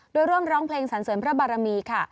โดยร่วมร้องเพลงสรรเสริมพระบารมีค่ะ